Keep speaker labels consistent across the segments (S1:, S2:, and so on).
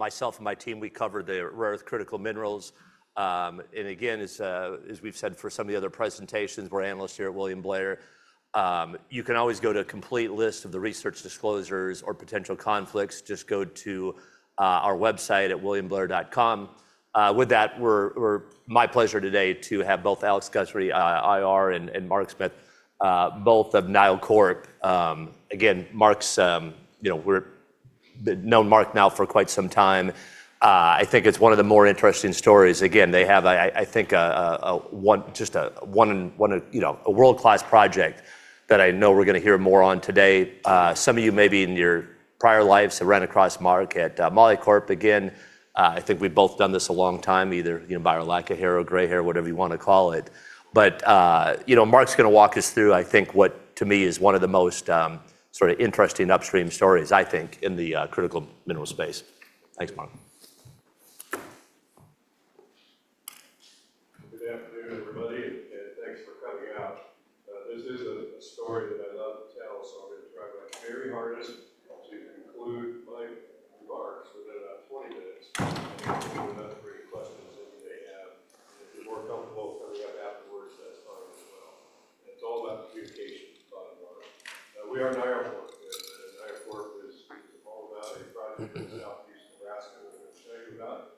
S1: Myself and my team, we cover the rare earth critical minerals. As we've said for some of the other presentations, we're analysts here at William Blair. You can always go to a complete list of the research disclosures or potential conflicts. Just go to our website at williamblair.com. With that, my pleasure today to have both Alex Guthrie, IR, and Mark Smith, both of NioCorp. We've known Mark now for quite some time. I think it's one of the more interesting stories. They have, I think, a world-class project that I know we're going to hear more on today. Some of you maybe in your prior lives have run across Mark at Molycorp. I think we've both done this a long time, either by our lack of hair or gray hair, whatever you want to call it. Mark's going to walk us through, I think, what to me is one of the most interesting upstream stories, I think, in the critical minerals space. Thanks, Mark.
S2: Good afternoon, everybody, and thanks for coming out. This is a story that I love to tell, so I'm going to try my very hardest to conclude my remarks within about 20 minutes and leave enough for any questions that you may have. If you're more comfortable coming up afterwards, that's fine as well. It's all about communication, as Bob knows. We are NioCorp, and NioCorp is all about a project in southeast Nebraska that I'll tell you about.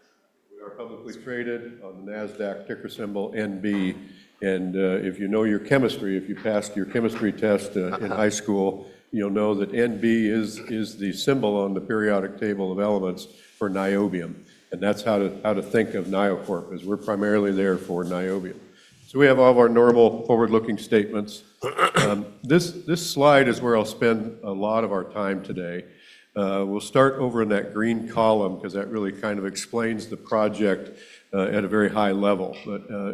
S2: We are publicly traded on NASDAQ, ticker symbol NB. If you know your chemistry, if you passed your chemistry test in high school, you'll know that NB is the symbol on the periodic table of elements for niobium. That's how to think of NioCorp, is we're primarily there for niobium. We have all of our normal forward-looking statements. This slide is where I'll spend a lot of our time today. We'll start over in that green column, because that really kind of explains the project at a very high level.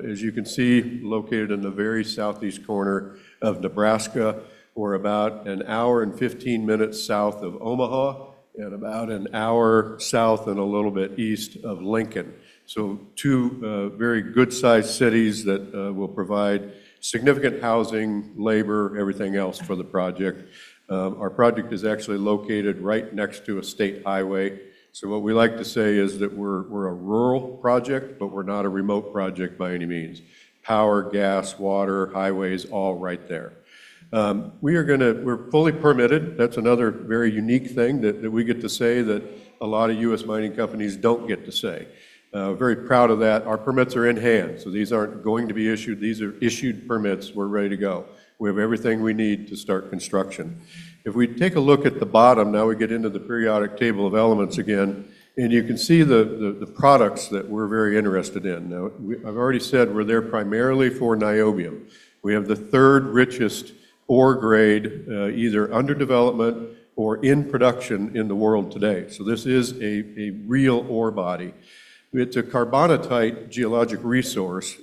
S2: As you can see, located in the very southeast corner of Nebraska. We're about an hour and 15 minutes south of Omaha and about an hour south and a little bit east of Lincoln. Two very good-sized cities that will provide significant housing, labor, everything else for the project. Our project is actually located right next to a state highway. What we like to say is that we're a rural project, but we're not a remote project by any means. Power, gas, water, highways, all right there. We're fully permitted. That's another very unique thing that we get to say that a lot of U.S. mining companies don't get to say. Very proud of that. Our permits are in hand. These aren't going to be issued. These are issued permits. We're ready to go. We have everything we need to start construction. If we take a look at the bottom, now we get into the periodic table of elements again. You can see the products that we're very interested in. I've already said we're there primarily for niobium. We have the third richest ore grade, either under development or in production in the world today. This is a real ore body. It's a carbonatite geologic resource.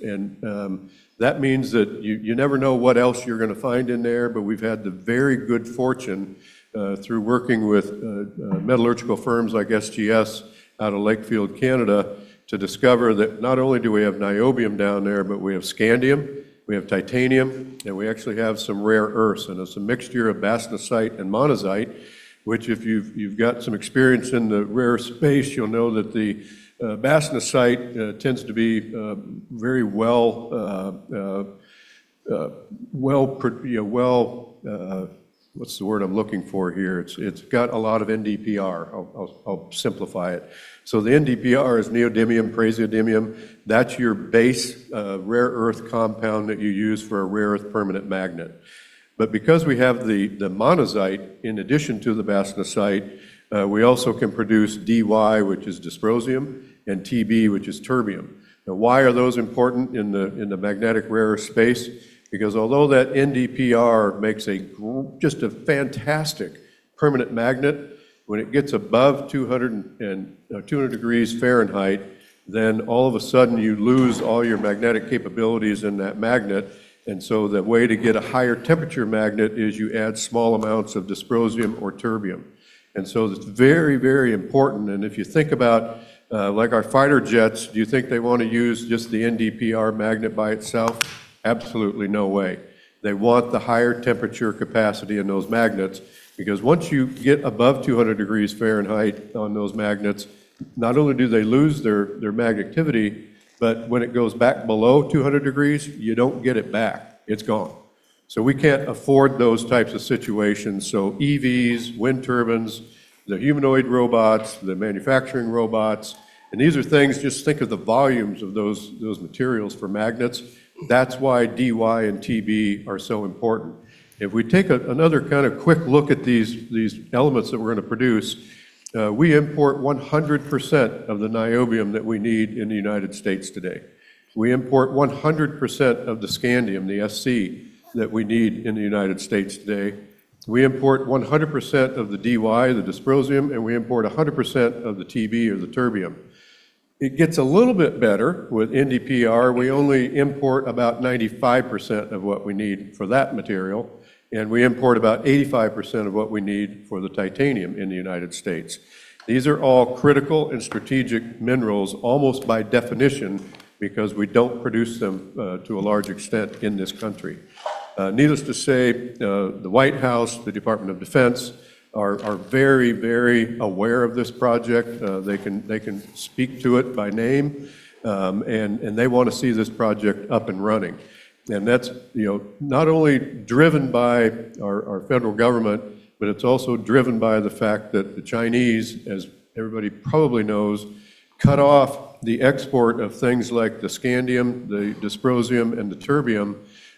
S2: That means that you never know what else you're going to find in there, but we've had the very good fortune, through working with metallurgical firms like SGS out of Lakefield, Canada, to discover that not only do we have niobium down there, but we have scandium, we have titanium, and we actually have some rare earths. It's a mixture of bastnäsite and monazite, which if you've got some experience in the rare earth space, you'll know that the bastnäsite tends to be very well. It's got a lot of NdPr. I'll simplify it. The NdPr is Neodymium-Praseodymium. That's your base rare earth compound that you use for a rare earth permanent magnet. Because we have the monazite in addition to the bastnäsite, we also can produce Dy, which is dysprosium, and Tb, which is terbium. Why are those important in the magnetic rare earth space? Although that NdPr makes just a fantastic permanent magnet, when it gets above 200 degrees Fahrenheit, all of a sudden you lose all your magnetic capabilities in that magnet. The way to get a higher temperature magnet is you add small amounts of dysprosium or terbium. It's very, very important. If you think about our fighter jets, do you think they want to use just the NdPr magnet by itself? Absolutely no way. They want the higher temperature capacity in those magnets, because once you get above 200 degrees Fahrenheit on those magnets, not only do they lose their magnet activity, but when it goes back below 200 degrees, you don't get it back. It's gone. We can't afford those types of situations. EVs, wind turbines, the humanoid robots, the manufacturing robots. These are things, just think of the volumes of those materials for magnets. That's why Dy and Tb are so important. If we take another quick look at these elements that we're going to produce, we import 100% of the niobium that we need in the United States today. We import 100% of the scandium, the Sc, that we need in the United States today. We import 100% of the Dy, the dysprosium, and we import 100% of the Tb or the terbium. It gets a little bit better with NdPr. We only import about 95% of what we need for that material, and we import about 85% of what we need for the titanium in the United States. These are all critical and strategic minerals, almost by definition, because we don't produce them to a large extent in this country. Needless to say, the White House, the Department of Defense, are very aware of this project. They can speak to it by name, and they want to see this project up and running. That's not only driven by our federal government, but it's also driven by the fact that the Chinese, as everybody probably knows, cut off the export of things like the scandium, the dysprosium, and the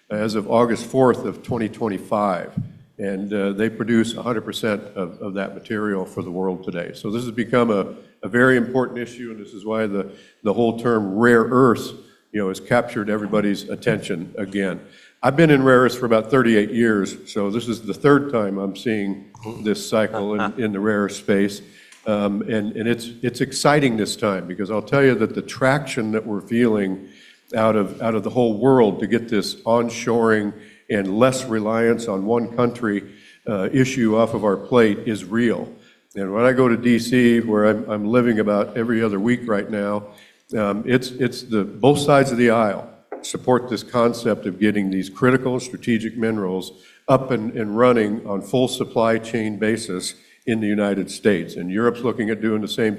S2: terbium as of August 4th, 2025. They produce 100% of that material for the world today. This has become a very important issue and this is why the whole term 'rare earths' has captured everybody's attention again. I've been in rare earths for about 38 years, so this is the third time I'm seeing this cycle in the rare earths space. It's exciting this time because I'll tell you that the traction that we're feeling out of the whole world to get this onshoring and less reliance on one country issue off of our plate is real. When I go to D.C., where I'm living about every other week right now, it's the both sides of the aisle support this concept of getting these critical strategic minerals up and running on full supply chain basis in the United States. Europe's looking at doing the same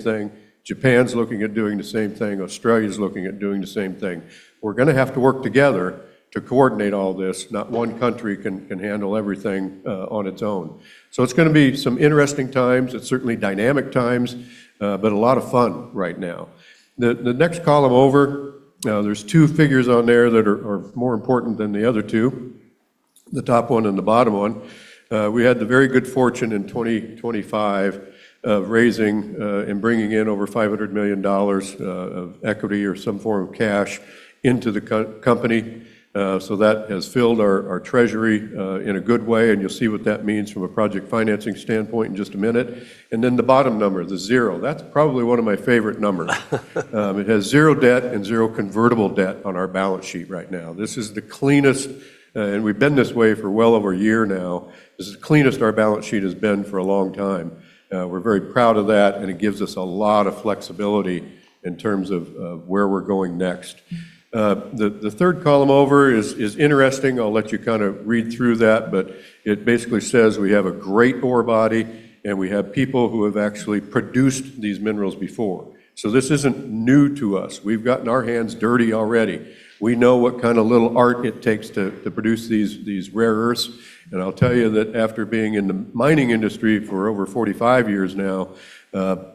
S2: thing. Japan's looking at doing the same thing. Australia's looking at doing the same thing. We're going to have to work together to coordinate all this. Not one country can handle everything on its own. It's going to be some interesting times. It's certainly dynamic times, but a lot of fun right now. The next column over, there's two figures on there that are more important than the other two, the top one and the bottom one. We had the very good fortune in 2025 of raising and bringing in over $500 million of equity or some form of cash into the company. That has filled our treasury in a good way, and you'll see what that means from a project financing standpoint in just a minute. Then the bottom number, the zero. That's probably one of my favorite numbers. It has zero debt and zero convertible debt on our balance sheet right now. We've been this way for well over a year now. This is the cleanest our balance sheet has been for a long time. We're very proud of that, and it gives us a lot of flexibility in terms of where we're going next. The third column over is interesting. I'll let you read through that, but it basically says we have a great ore body and we have people who have actually produced these minerals before. This isn't new to us. We've gotten our hands dirty already. We know what kind of little art it takes to produce these rare earths. I'll tell you that after being in the mining industry for over 45 years now,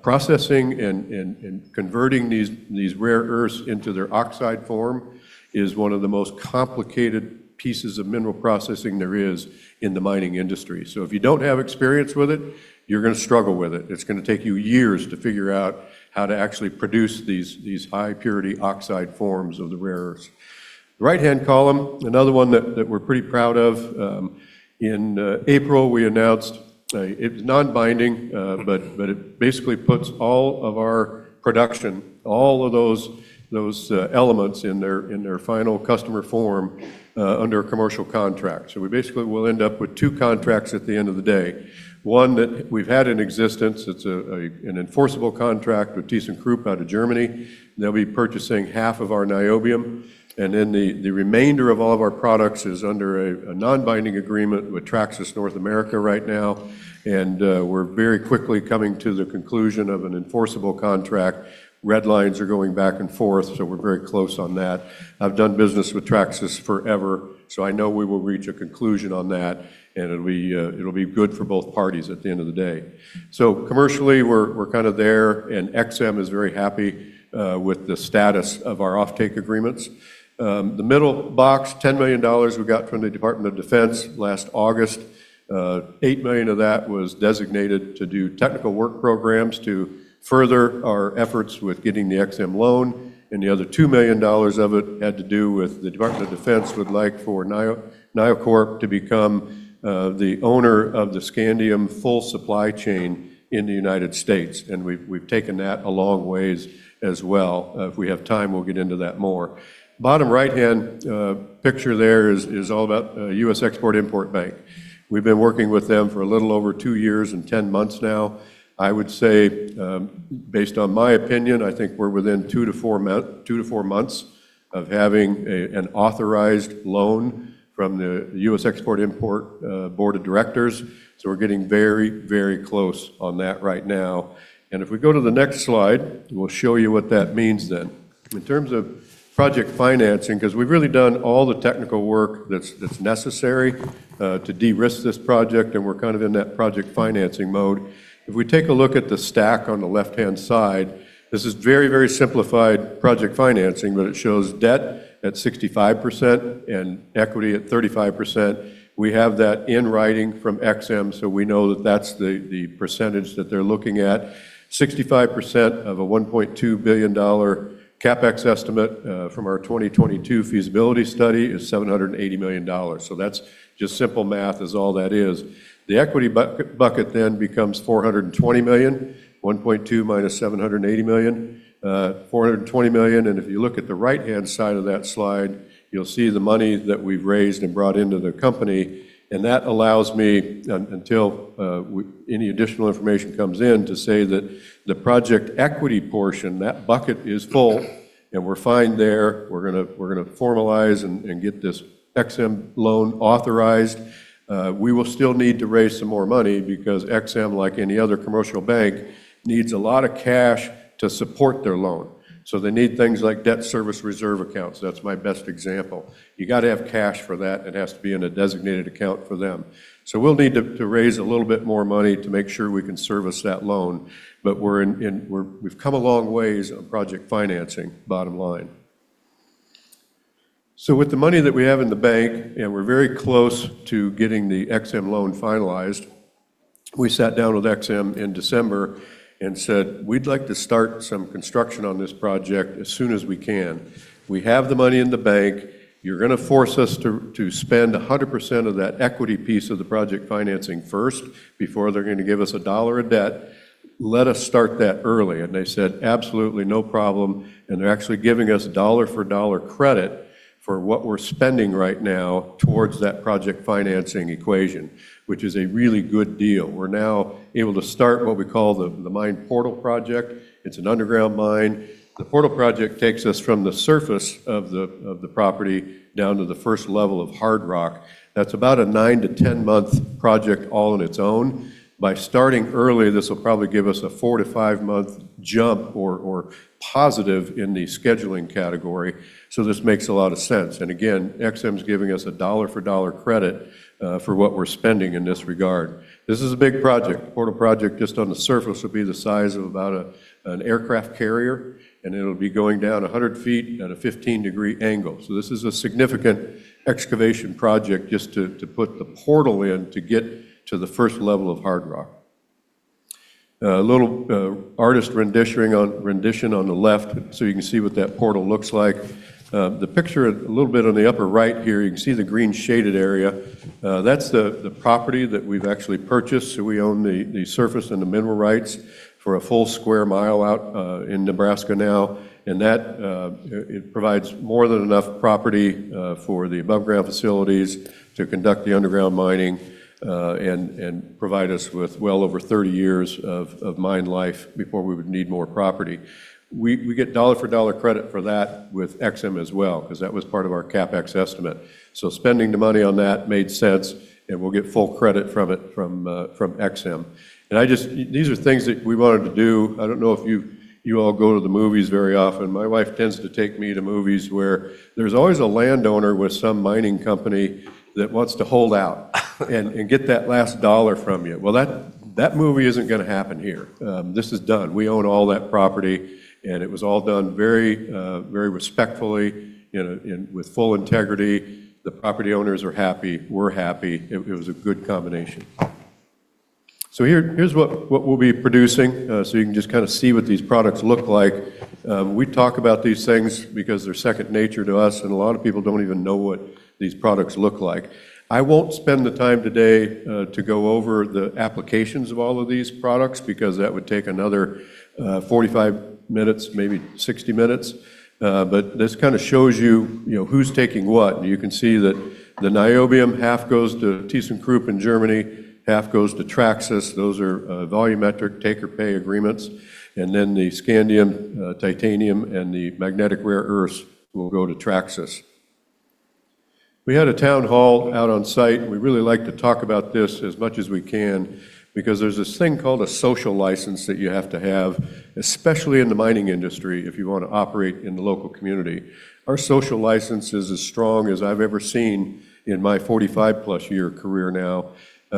S2: processing and converting these rare earths into their oxide form is one of the most complicated pieces of mineral processing there is in the mining industry. If you don't have experience with it, you're going to struggle with it. It's going to take you years to figure out how to actually produce these high-purity oxide forms of the rare earths. The right-hand column, another one that we're pretty proud of. In April, we announced. It was non-binding but it basically puts all of our production, all of those elements in their final customer form under a commercial contract. We basically will end up with two contracts at the end of the day. One that we've had in existence, it's an enforceable contract with ThyssenKrupp out of Germany. They'll be purchasing half of our niobium. Then the remainder of all of our products is under a non-binding agreement with Traxys North America right now. We're very quickly coming to the conclusion of an enforceable contract. Red lines are going back and forth. We're very close on that. I've done business with Traxys forever. I know we will reach a conclusion on that and it'll be good for both parties at the end of the day. Commercially, we're kind of there and Ex-Im is very happy with the status of our offtake agreements. The middle box, $10 million we got from the Department of Defense last August. $8 million of that was designated to do technical work programs to further our efforts with getting the Ex-Im loan. The other $2 million of it had to do with the Department of Defense would like for NioCorp to become the owner of the scandium full supply chain in the United States, and we've taken that a long ways as well. If we have time, we'll get into that more. Bottom right-hand picture there is all about U.S. Export-Import Bank. We've been working with them for a little over two years and 10 months now. I would say, based on my opinion, I think we're within two to four months of having an authorized loan from the U.S. Export-Import board of directors. We're getting very close on that right now. If we go to the next slide, we'll show you what that means then. In terms of project financing, because we've really done all the technical work that's necessary to de-risk this project and we're kind of in that project financing mode. If we take a look at the stack on the left-hand side, this is very simplified project financing, but it shows debt at 65% and equity at 35%. We have that in writing from Ex-Im. We know that's the percentage that they're looking at. 65% of a $1.2 billion CapEx estimate from our 2022 feasibility study is $780 million. That's just simple math is all that is. The equity bucket becomes $420 million. $1.2-$780 million, $420 million. If you look at the right-hand side of that slide, you'll see the money that we've raised and brought into the company, and that allows me, until any additional information comes in, to say that the project equity portion, that bucket is full. And we're fine there. We're going to formalize and get this Ex-Im loan authorized. We will still need to raise some more money because Ex-Im, like any other commercial bank, needs a lot of cash to support their loan. They need things like debt service reserve accounts. That's my best example. You got to have cash for that, and it has to be in a designated account for them. We'll need to raise a little bit more money to make sure we can service that loan. We've come a long ways on project financing, bottom line. With the money that we have in the bank, and we're very close to getting the Ex-Im loan finalized, we sat down with Ex-Im in December and said, "We'd like to start some construction on this project as soon as we can. We have the money in the bank. You're going to force us to spend 100% of that equity piece of the project financing first before they're going to give us $1 of debt. Let us start that early." They said, "Absolutely, no problem." They're actually giving us $1 for $1 credit for what we're spending right now towards that project financing equation, which is a really good deal. We're now able to start what we call the Mine Portal project. It's an underground mine. The Portal project takes us from the surface of the property down to the first level of hard rock. That's about a 9-10-month project all on its own. By starting early, this will probably give us a four to five-month jump or positive in the scheduling category. This makes a lot of sense. Again, Ex-Im's giving us $1 for $1 credit for what we're spending in this regard. This is a big project. The Portal project, just on the surface, will be the size of about an aircraft carrier, and it'll be going down 100 ft at a 15-degree angle. This is a significant excavation project just to put the portal in to get to the first level of hard rock. A little artist rendition on the left, so you can see what that portal looks like. The picture a little bit on the upper right here, you can see the green shaded area. That's the property that we've actually purchased. We own the surface and the mineral rights for a full square mile out in Nebraska now, and that provides more than enough property for the above-ground facilities to conduct the underground mining, and provide us with well over 30 years of mine life before we would need more property. We get $1 for $1 credit for that with Ex-Im as well because that was part of our CapEx estimate. Spending the money on that made sense, and we'll get full credit from it from Ex-Im. These are things that we wanted to do. I don't know if you all go to the movies very often. My wife tends to take me to movies where there's always a landowner with some mining company that wants to hold out and get that last dollar from you. That movie isn't going to happen here. This is done. We own all that property, and it was all done very respectfully and with full integrity. The property owners are happy. We're happy. It was a good combination. Here's what we'll be producing. You can just see what these products look like. We talk about these things because they're second nature to us, and a lot of people don't even know what these products look like. I won't spend the time today to go over the applications of all of these products because that would take another 45 minutes, maybe 60 minutes. This shows you who's taking what. You can see that the niobium half goes to ThyssenKrupp in Germany, half goes to Traxys. Those are volumetric take-or-pay agreements. The scandium, titanium, and the magnetic rare earths will go to Traxys. We had a town hall out on site, and we really like to talk about this as much as we can because there's this thing called a social license that you have to have, especially in the mining industry, if you want to operate in the local community. Our social license is as strong as I've ever seen in my 45+ year career now.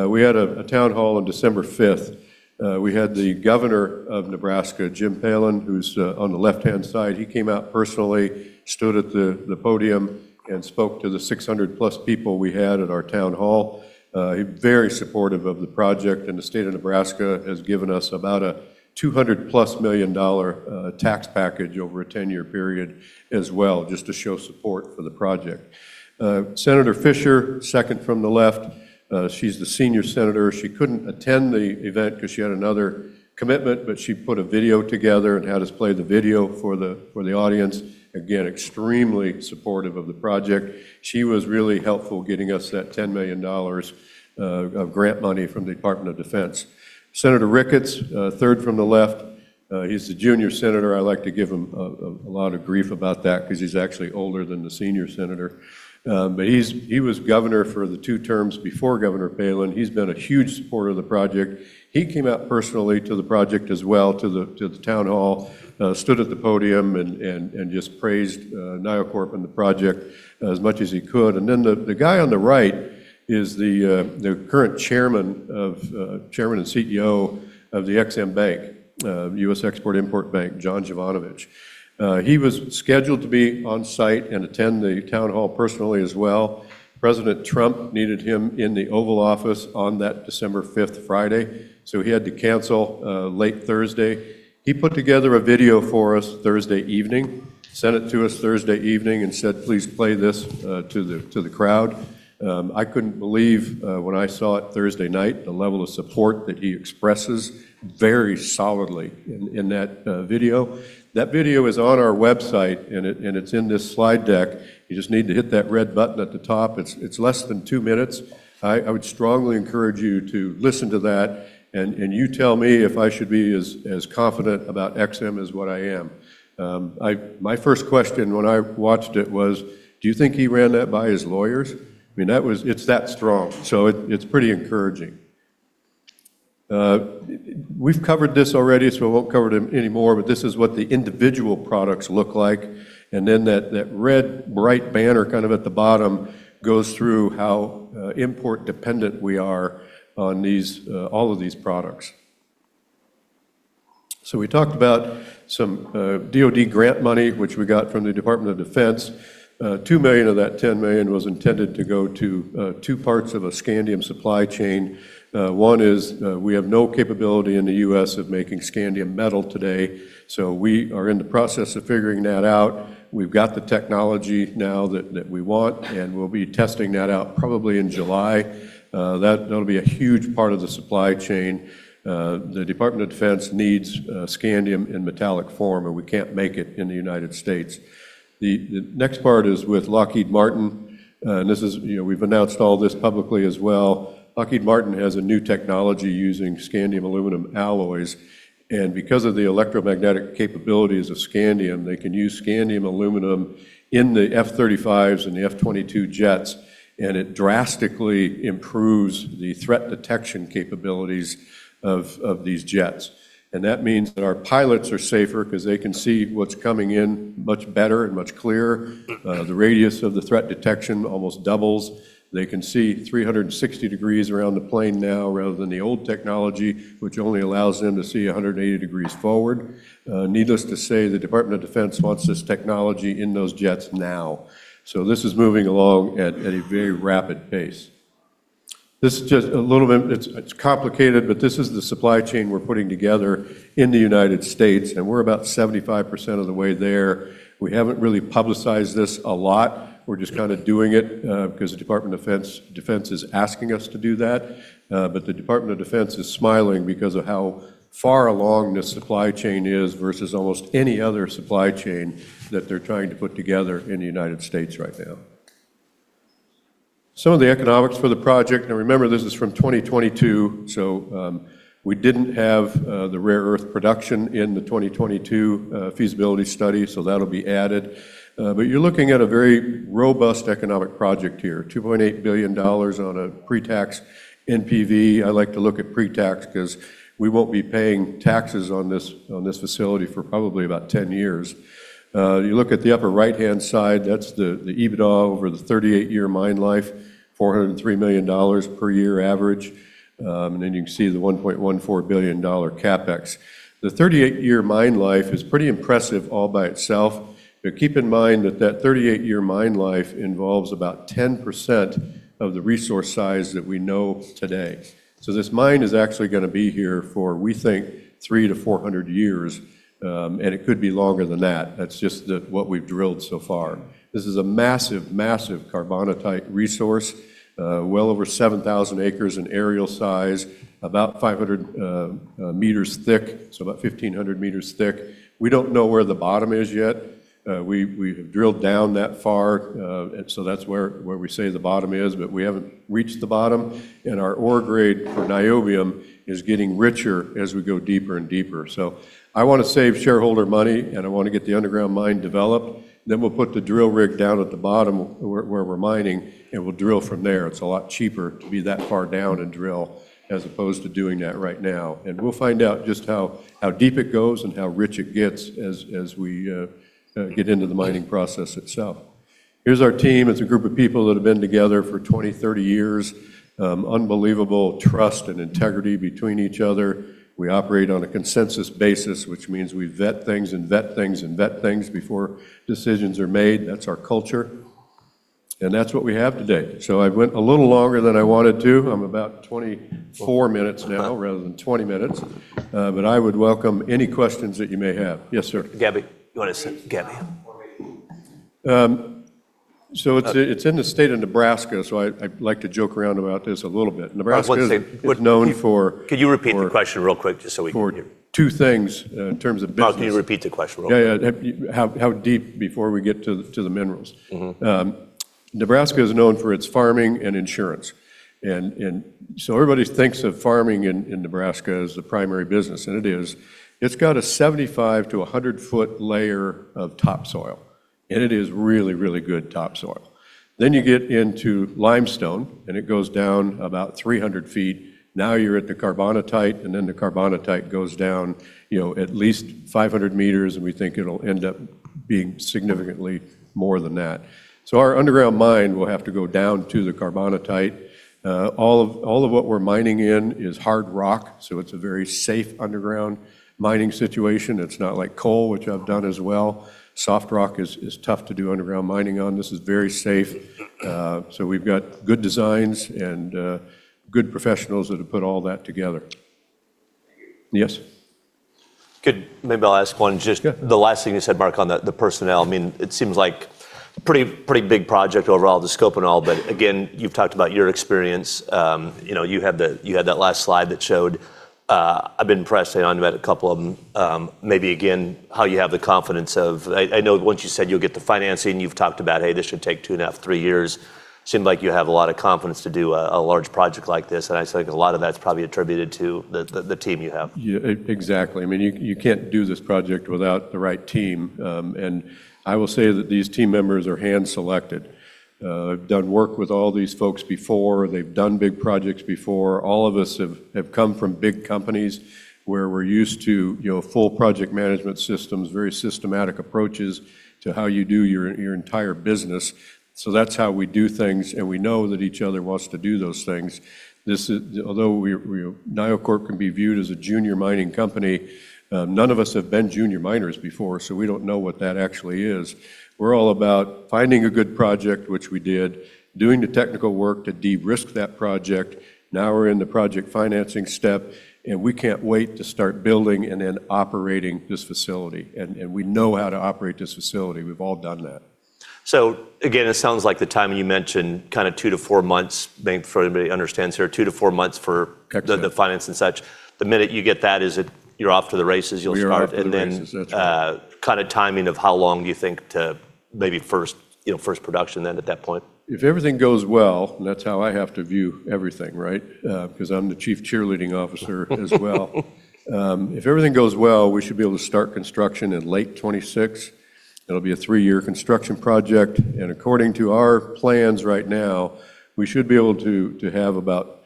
S2: We had a town hall on December 5th. We had the Governor of Nebraska, Jim Pillen, who's on the left-hand side. He came out personally, stood at the podium, and spoke to the 600+ people we had at our town hall. Very supportive of the project, the state of Nebraska has given us about a $200+ million tax package over a 10-year period as well, just to show support for the project. Senator Fischer, second from the left, she's the senior senator. She couldn't attend the event because she had another commitment, she put a video together and had us play the video for the audience. Again, extremely supportive of the project. She was really helpful getting us that $10 million of grant money from the Department of Defense. Senator Ricketts, third from the left, he's the junior senator. I like to give him a lot of grief about that because he's actually older than the senior senator. He was Governor for the two terms before Governor Pillen. He's been a huge supporter of the project. He came out personally to the project as well, to the town hall, stood at the podium, praised NioCorp and the project as much as he could. The guy on the right is the current Chairman and CEO of the Ex-Im Bank, U.S. Export-Import Bank, John Jovanovic. He was scheduled to be on-site and attend the town hall personally as well. President Trump needed him in the Oval Office on that December 5th Friday, he had to cancel late Thursday. He put together a video for us Thursday evening, sent it to us Thursday evening, said, "Please play this to the crowd." I couldn't believe when I saw it Thursday night the level of support that he expresses very solidly in that video. That video is on our website, and it's in this slide deck. You just need to hit that red button at the top. It's less than two minutes. I would strongly encourage you to listen to that, and you tell me if I should be as confident about Ex-Im as what I am. My first question when I watched it was, do you think he ran that by his lawyers? I mean, it's that strong. It's pretty encouraging. We've covered this already, so I won't cover it anymore, but this is what the individual products look like. That red, bright banner at the bottom goes through how import-dependent we are on all of these products. We talked about some DoD grant money, which we got from the Department of Defense. $2 million of that $10 million was intended to go to two parts of a scandium supply chain. One is we have no capability in the U.S. of making scandium metal today, we are in the process of figuring that out. We've got the technology now that we want, we'll be testing that out probably in July. That'll be a huge part of the supply chain. The Department of Defense needs scandium in metallic form, we can't make it in the United States. The next part is with Lockheed Martin, we've announced all this publicly as well. Lockheed Martin has a new technology using scandium aluminum alloys, because of the electromagnetic capabilities of scandium, they can use scandium aluminum in the F-35s and the F-22 jets, it drastically improves the threat detection capabilities of these jets. That means that our pilots are safer because they can see what's coming in much better and much clearer. The radius of the threat detection almost doubles. They can see 360 degrees around the plane now, rather than the old technology, which only allows them to see 180 degrees forward. Needless to say, the Department of Defense wants this technology in those jets now. This is moving along at a very rapid pace. This is just a little bit. It's complicated, this is the supply chain we're putting together in the United States, we're about 75% of the way there. We haven't really publicized this a lot. We're just doing it because the Department of Defense is asking us to do that. The Department of Defense is smiling because of how far along this supply chain is versus almost any other supply chain that they're trying to put together in the United States right now. Some of the economics for the project. Now, remember, this is from 2022, we didn't have the rare earth production in the 2022 feasibility study, that'll be added. You're looking at a very robust economic project here, $2.8 billion on a pre-tax NPV. I like to look at pre-tax because we won't be paying taxes on this facility for probably about 10 years. You look at the upper right-hand side, that's the EBITDA over the 38-year mine life, $403 million per year average. You can see the $1.14 billion CapEx. The 38-year mine life is pretty impressive all by itself, keep in mind that that 38-year mine life involves about 10% of the resource size that we know today. This mine is actually going to be here for, we think, 300-400 years, it could be longer than that. That's just what we've drilled so far. This is a massive carbonatite resource. Well over 7,000 acres in aerial size, about 500 meters thick, about 1,500 meters thick. We don't know where the bottom is yet. We've drilled down that far, and that's where we say the bottom is, but we haven't reached the bottom, and our ore grade for niobium is getting richer as we go deeper and deeper. I want to save shareholder money and I want to get the underground mine developed. We'll put the drill rig down at the bottom where we're mining, and we'll drill from there. It's a lot cheaper to be that far down and drill as opposed to doing that right now. We'll find out just how deep it goes and how rich it gets as we get into the mining process itself. Here's our team. It's a group of people that have been together for 20, 30 years. Unbelievable trust and integrity between each other. We operate on a consensus basis, which means we vet things, and vet things, and vet things before decisions are made. That's our culture. That's what we have today. I went a little longer than I wanted to. I'm about 24 minutes now rather than 20 minutes. I would welcome any questions that you may have. Yes, sir.
S1: Gabby. You want to Gabby.
S2: It's in the state of Nebraska, I like to joke around about this a little bit. Nebraska I would say is known for.
S1: Could you repeat the question real quick, just so we can hear?
S2: Two things in terms of business.
S1: Mark, can you repeat the question real quick?
S2: Yeah, how deep before we get to the minerals. Nebraska is known for its farming and insurance. Everybody thinks of farming in Nebraska as the primary business, and it is. It's got a 75-100-foot layer of topsoil, and it is really good topsoil. You get into limestone, and it goes down about 300 ft. You're at the carbonatite, and the carbonatite goes down at least 500 meters, and we think it'll end up being significantly more than that. Our underground mine will have to go down to the carbonatite. All of what we're mining in is hard rock, so it's a very safe underground mining situation. It's not like coal, which I've done as well. Soft rock is tough to do underground mining on. This is very safe. We've got good designs and good professionals that have put all that together. Yes?
S1: Good. Maybe I'll ask one.
S2: Sure.
S1: Just the last thing you said, Mark, on the personnel. It seems like a pretty big project overall, the scope and all, but again, you've talked about your experience. You had that last slide that showed. I've been pressing on you about a couple of them. Maybe again, how you have the confidence of-- I know once you said you'll get the financing, you've talked about, hey, this should take two and a half, three years. Seemed like you have a lot of confidence to do a large project like this, and I think a lot of that's probably attributed to the team you have.
S2: Yeah. Exactly. You can't do this project without the right team. I will say that these team members are hand-selected. I've done work with all these folks before. They've done big projects before. All of us have come from big companies where we're used to full project management systems, very systematic approaches to how you do your entire business. That's how we do things, and we know that each other wants to do those things. Although NioCorp can be viewed as a junior mining company, none of us have been junior miners before, so we don't know what that actually is. We're all about finding a good project, which we did, doing the technical work to de-risk that project. Now we're in the project financing step, and we can't wait to start building and then operating this facility. We know how to operate this facility. We've all done that.
S1: Again, it sounds like the timing you mentioned, two to four months. Maybe before anybody understands here, two to four months for-
S2: Exactly.
S1: The finance and such. The minute you get that, you're off to the races. You'll start.
S2: We are off to the races. That's right.
S1: Timing of how long do you think to maybe first production then at that point?
S2: If everything goes well, that's how I have to view everything, right? Because I'm the chief cheerleading officer as well. If everything goes well, we should be able to start construction in late 2026. It'll be a three-year construction project, and according to our plans right now, we should be able to have about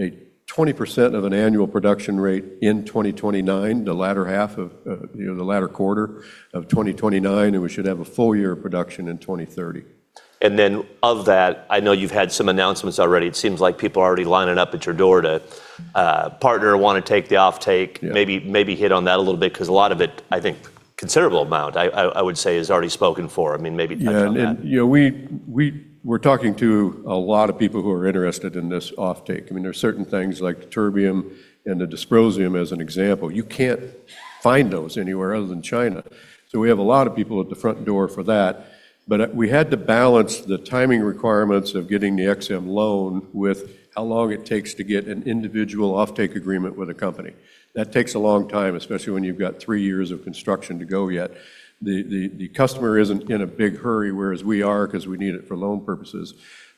S2: a 20% of an annual production rate in 2029, the latter quarter of 2029, and we should have a full year of production in 2030.
S1: Of that, I know you've had some announcements already. It seems like people are already lining up at your door to partner, want to take the offtake.
S2: Yeah.
S1: Maybe hit on that a little bit because a lot of it, I think considerable amount, I would say, is already spoken for. Maybe touch on that.
S2: Yeah. We're talking to a lot of people who are interested in this offtake. There's certain things like the terbium and the dysprosium, as an example. You can't find those anywhere other than China. We have a lot of people at the front door for that. We had to balance the timing requirements of getting the Ex-Im loan with how long it takes to get an individual offtake agreement with a company. That takes a long time, especially when you've got three years of construction to go yet. The customer isn't in a big hurry, whereas we are because we need it for loan purposes.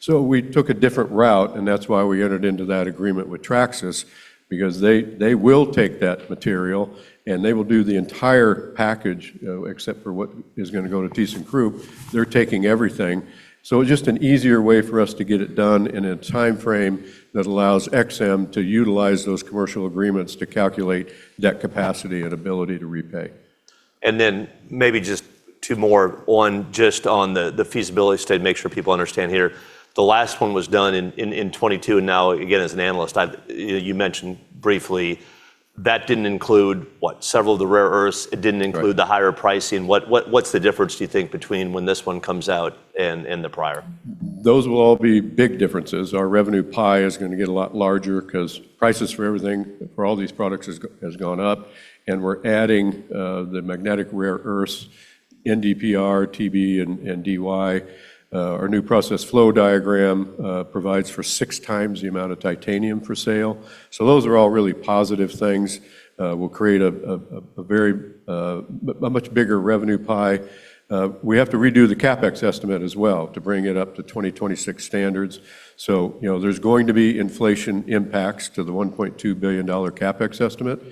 S2: We took a different route, and that's why we entered into that agreement with Traxys, because they will take that material, and they will do the entire package, except for what is going to go to ThyssenKrupp. They're taking everything. It's just an easier way for us to get it done in a timeframe that allows Ex-Im to utilize those commercial agreements to calculate debt capacity and ability to repay.
S1: Maybe just two more on just on the feasibility study, make sure people understand here. The last one was done in 2022, now, again, as an analyst, you mentioned briefly that didn't include what? Several of the rare earths.
S2: Right.
S1: It didn't include the higher pricing. What's the difference, do you think, between when this one comes out and the prior?
S2: Those will all be big differences. Our revenue pie is going to get a lot larger because prices for everything, for all these products, has gone up, and we're adding the magnetic rare earths, NdPr, Tb, and Dy. Our new process flow diagram provides for six times the amount of titanium for sale. Those are all really positive things, will create a much bigger revenue pie. We have to redo the CapEx estimate as well to bring it up to 2026 standards. There's going to be inflation impacts to the $1.2 billion CapEx estimate,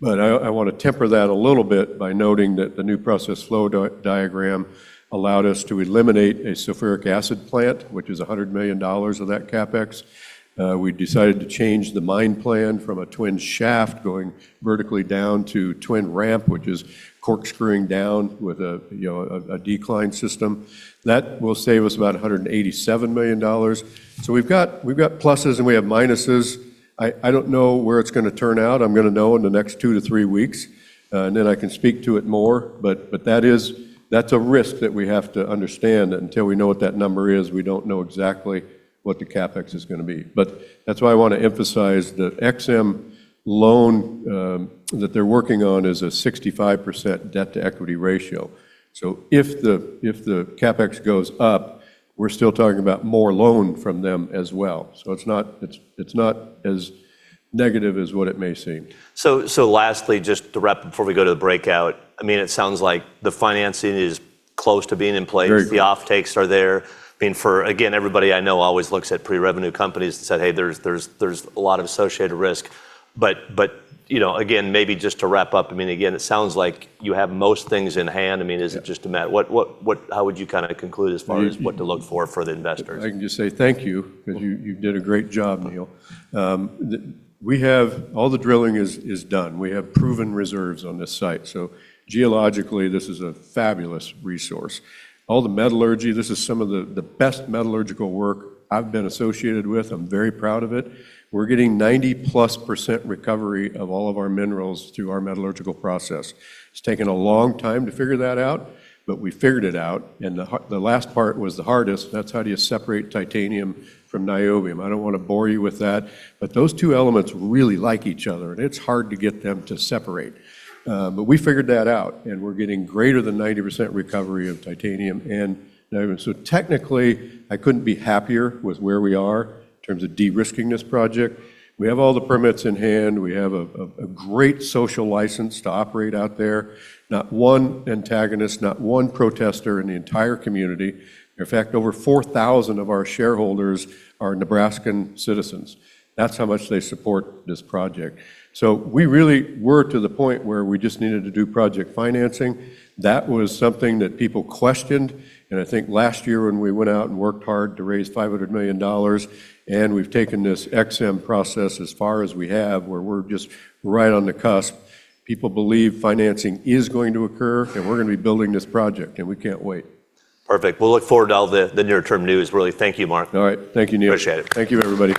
S2: but I want to temper that a little bit by noting that the new process flow diagram allowed us to eliminate a sulfuric acid plant, which is $100 million of that CapEx. We decided to change the mine plan from a twin shaft going vertically down to twin ramp, which is corkscrewing down with a decline system. That will save us about $187 million. We've got pluses and we have minuses. I don't know where it's going to turn out. I'm going to know in the next two to three weeks, I can speak to it more. That's a risk that we have to understand. Until we know what that number is, we don't know exactly what the CapEx is going to be. That's why I want to emphasize the Ex-Im loan that they're working on is a 65% debt-to-equity ratio. If the CapEx goes up, we're still talking about more loan from them as well. It's not as negative as what it may seem.
S1: Lastly, just to wrap before we go to the breakout, it sounds like the financing is close to being in place.
S2: Very close.
S1: The offtakes are there. Again, everybody I know always looks at pre-revenue companies and said, "Hey, there's a lot of associated risk." Again, maybe just to wrap up, it sounds like you have most things in hand.
S2: Yeah.
S1: How would you conclude as far as what to look for the investors?
S2: I can just say thank you, because you did a great job, Neil. All the drilling is done. We have proven reserves on this site, so geologically, this is a fabulous resource. All the metallurgy, this is some of the best metallurgical work I've been associated with. I'm very proud of it. We're getting 90+% recovery of all of our minerals through our metallurgical process. It's taken a long time to figure that out, but we figured it out, and the last part was the hardest. That's how do you separate titanium from niobium. I don't want to bore you with that, but those two elements really like each other, and it's hard to get them to separate. We figured that out, and we're getting greater than 90% recovery of titanium and niobium. Technically, I couldn't be happier with where we are in terms of de-risking this project. We have all the permits in hand. We have a great social license to operate out there. Not one antagonist, not one protester in the entire community. In fact, over 4,000 of our shareholders are Nebraskan citizens. That's how much they support this project. We really were to the point where we just needed to do project financing. That was something that people questioned, I think last year when we went out and worked hard to raise $500 million, we've taken this Ex-Im process as far as we have, where we're just right on the cusp. People believe financing is going to occur, we're going to be building this project, we can't wait.
S1: Perfect. We'll look forward to all the near-term news, really. Thank you, Mark.
S2: All right. Thank you, Neil.
S1: Appreciate it.
S2: Thank you, everybody.